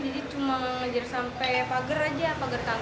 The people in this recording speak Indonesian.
jadi cuma ngejar sampai pager aja pager tangkut